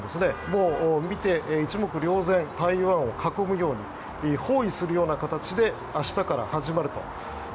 もう見て、一目瞭然台湾を囲むように包囲するような形で明日から始まると。